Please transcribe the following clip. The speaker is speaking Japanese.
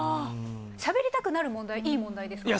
しゃべりたくなる問題はいい問題ですか？